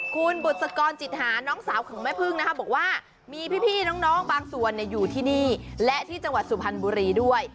คุณบุษกรจิตหาน้องสาวของแม่พึ่งนะคะบอกว่ามีพี่น้องบางส่วนอยู่ที่นี่และที่จังหวัดสุพรรณบุรีด้วย